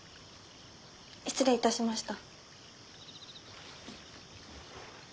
失礼いたしました。